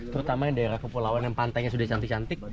terutama daerah kepulauan yang pantainya sudah cantik cantik